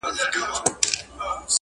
د پاچا په زړه کي ځای یې وو نیولی!